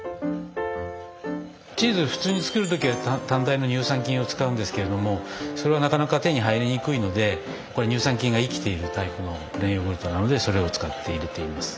チーズ普通に作る時は単体の乳酸菌を使うんですけれどもそれはなかなか手に入りにくいのでこれ乳酸菌が生きているタイプのプレーンヨーグルトなのでそれを使って入れています。